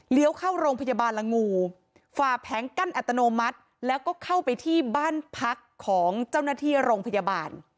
เข้าโรงพยาบาลละงูฝ่าแผงกั้นอัตโนมัติแล้วก็เข้าไปที่บ้านพักของเจ้าหน้าที่โรงพยาบาล